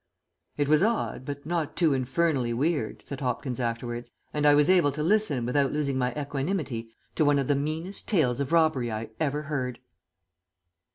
"It was odd, but not too infernally weird," said Hopkins afterwards, "and I was able to listen without losing my equanimity, to one of the meanest tales of robbery I ever heard."